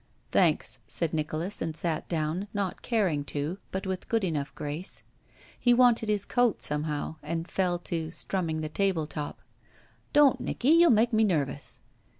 "Thanks," said Nicholas, and sat down, not caring to, but with good enough grace. He wanted his coat, somehow, and fell to strumming the table top. "Don't, Nicky; you make me nervous."